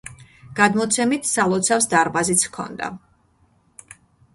გადმოცემით სალოცავს დარბაზიც ჰქონდა.